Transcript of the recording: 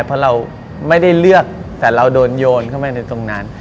เพราะเราไม่ได้เลือกแต่เราโดนโยนเข้าไปในตรงนั้น